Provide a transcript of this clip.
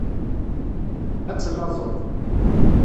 Ad tellaẓeḍ.